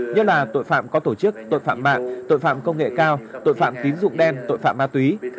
nhất là tội phạm có tổ chức tội phạm mạng tội phạm công nghệ cao tội phạm tín dụng đen tội phạm ma túy